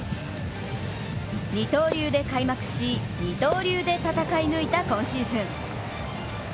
二刀流で開幕し二刀流で戦い抜いた今シーズン。